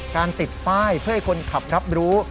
ติดป้ายเพื่อให้คนขับรับรู้